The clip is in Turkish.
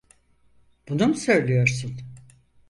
Bunu mu söylüyorsun?